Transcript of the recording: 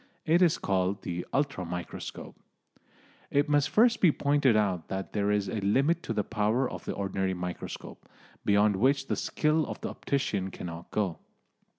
It is called the "ultra microscope." It must first be pointed out that there is a limit to the power of the ordinary microscope, beyond which the skill of the optician cannot go.